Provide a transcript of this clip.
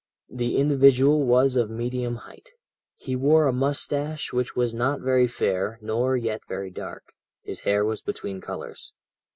"The individual was of medium height, he wore a moustache which was not very fair nor yet very dark, his hair was between colours.